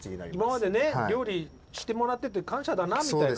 今までね料理してもらってて感謝だなみたいな。